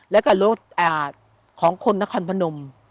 แล้วก็รถของคนนครพนม